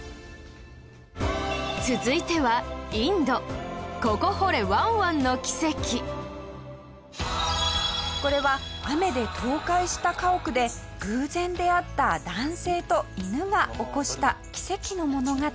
続いては、インドここ掘れワンワンの奇跡下平：これは雨で倒壊した家屋で偶然出会った男性と犬が起こした奇跡の物語。